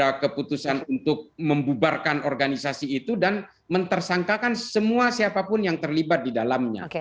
ada keputusan dttot misalnya ada keputusan untuk membubarkan organisasi itu dan mentersangkakan semua siapapun yang terlibat di dalamnya